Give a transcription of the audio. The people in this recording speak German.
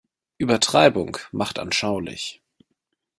Übertreibung macht anschaulich.